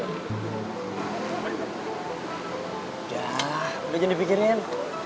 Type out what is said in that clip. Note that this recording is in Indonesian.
udah udah jadi pikirin